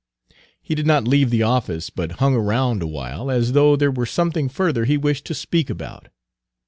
He did not leave the office, but hung around awhile as though there were something further he wished to speak about.